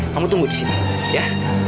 kamu tunggu disini ya